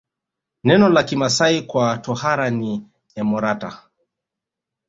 Neno la Kimasai kwa tohara ni emorata